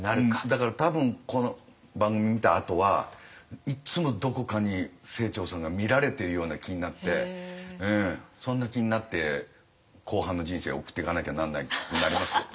だから多分この番組見たあとはいっつもどこかに清張さんが見られてるような気になってそんな気になって後半の人生送ってかなきゃなんなくなりますよ。